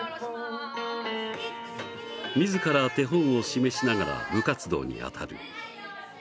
自ら手本を示しながら部活動に当たる。